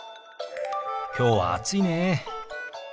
きょうは暑いね。